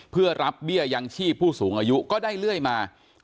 เพื่อรับเบี้ยยังชีพผู้สูงอายุก็ได้เรื่อยมา